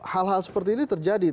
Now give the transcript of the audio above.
hal hal seperti ini terjadi